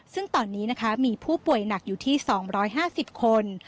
ซึ่งตอนนี้นะคะมีผู้ป่วยหนักอยู่ที่๒๕๐คน